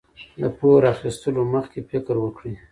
د پور اخیستلو مخکې فکر وکړئ.